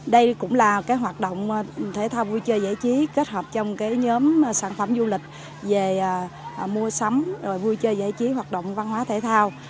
đây cũng là cái hoạt động thể thao vui chơi giải trí kết hợp trong nhóm sản phẩm du lịch về mua sắm rồi vui chơi giải trí hoạt động văn hóa thể thao